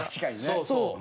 そうそう。